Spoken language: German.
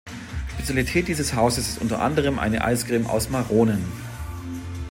Spezialität dieses Hauses ist unter anderem eine Eiscreme aus Maronen.